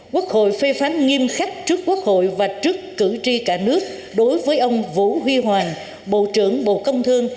quốc hội phê phán nghiêm khắc trước quốc hội và trước cử tri cả nước đối với ông vũ huy hoàng bộ trưởng bộ công thương